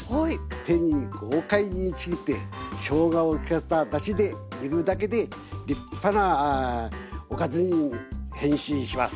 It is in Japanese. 手で豪快にちぎってしょうがを利かせただしで煮るだけで立派なおかずに変身します。